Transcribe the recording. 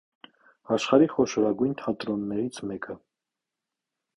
Աշխարհի խոշորագույն թատրոններից մեկը։